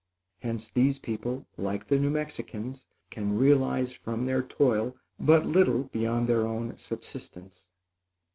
Hence these people, like the New Mexicans, can realize from their toil but little beyond their own subsistence.